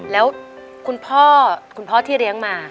แล้วคุณพ่อที่เลี้ยงมา